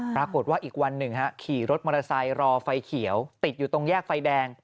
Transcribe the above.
ปรากฏว่าอีกวันหนึ่งขี่รถมอเตอร์ไซค์รอไฟเขียวติดอยู่ตรงแยกไฟแดง